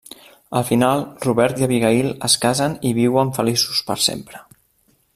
Al final, Robert i Abigail es casen i viuen feliços per sempre.